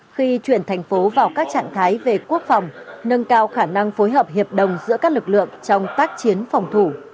khi chuyển thành phố vào các trạng thái về quốc phòng nâng cao khả năng phối hợp hiệp đồng giữa các lực lượng trong tác chiến phòng thủ